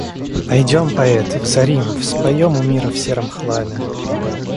Пойдем, поэт, взорим, вспоем у мира в сером хламе.